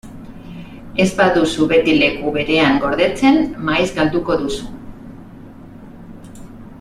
Ez baduzu beti leku berean gordetzen, maiz galduko duzu.